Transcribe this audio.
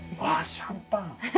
シャンパン。